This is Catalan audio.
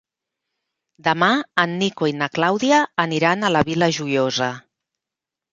Demà en Nico i na Clàudia aniran a la Vila Joiosa.